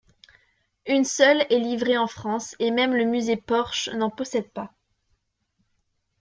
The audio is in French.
Une seule est livrée en France et même le musée Porsche n'en possède pas.